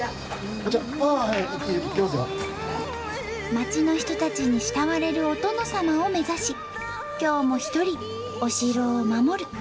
町の人たちに慕われるお殿様を目指し今日も一人お城を守る。